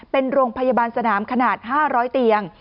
เป็นโรงพยาบาลสนามขนาด๕๐๐เตียง